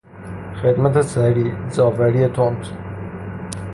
خدمت سریع، زاوری تند